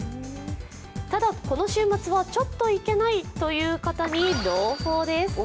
ただ、この週末はちょっと行けないという方に朗報です。